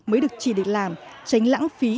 mới được chỉ định làm tránh lãng phí